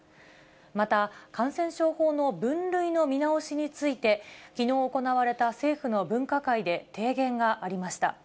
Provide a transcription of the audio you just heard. また、感染症法の分類の見直しについて、きのう行われた政府の分科会で、提言がありました。